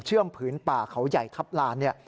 เชื่อมผืนป่าเขาใหญ่ครับล้าน